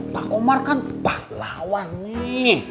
pak komar kan pahlawan nih